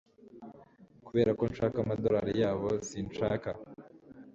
Kuberako nshaka amadorari yabo Sinshaka